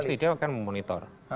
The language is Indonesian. ya pasti pasti dia akan memonitor